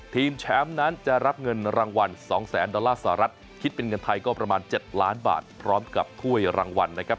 ทีมแชมป์นั้นจะรับเงินรางวัล๒แสนดอลลาร์สหรัฐคิดเป็นเงินไทยก็ประมาณ๗ล้านบาทพร้อมกับถ้วยรางวัลนะครับ